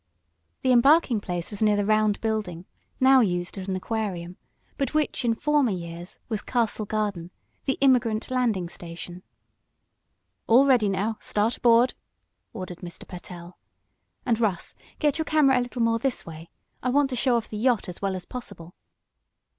The embarking place was near the round building, now used as an Aquarium, but which, in former years, was Castle Garden, the immigrant landing station. "All ready now start aboard," ordered Mr. Pertell. "And, Russ, get your camera a little more this way. I want to show off the yacht as well as possible."